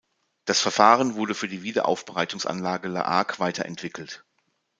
Das Verfahren wurde für die Wiederaufarbeitungsanlage La Hague weiterentwickelt.